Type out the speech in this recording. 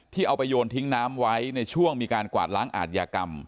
เอาไปโยนทิ้งน้ำไว้ในช่วงมีการกวาดล้างอาทยากรรม